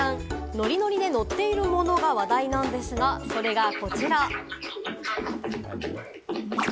ノリノリでのっているものが話題なんですが、それがこちら。